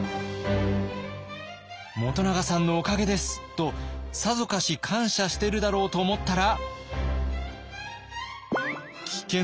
「元長さんのおかげです」とさぞかし感謝してるだろうと思ったら。